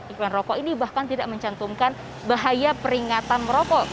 iklan rokok ini bahkan tidak mencantumkan bahaya peringatan merokok